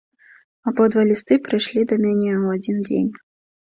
Абодва лісты прыйшлі да мяне ў адзін дзень.